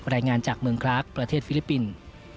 รายงานจากเมืองกรากประเทศฟิลิปปินส์